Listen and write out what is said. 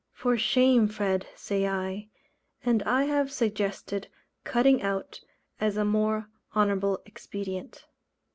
"For shame, Fred," say I. And I have suggested "cutting out" as a more honourable expedient.